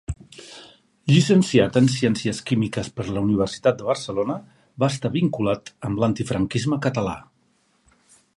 Llicenciat en ciències químiques per la Universitat de Barcelona, va estar vinculat amb l'antifranquisme català.